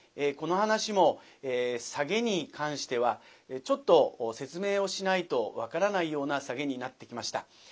この噺もサゲに関してはちょっと説明をしないと分からないようなサゲになってきました。